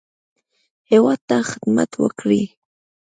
هیواد ته خدمت وکړي.